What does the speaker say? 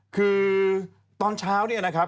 คือตอนเช้าเนี่ยนะครับ